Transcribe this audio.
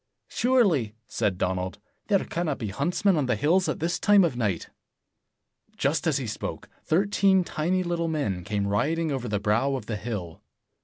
"Surely, " said Donald, "there cannot be huntsmen on the hills at this time of night." Just as he spoke, thirteen tiny little men came riding over the brow of the hill.